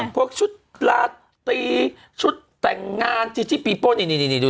พวกชุดประตีชุดแต่งงานจีจี้ปีโป้นี่ดูสิดู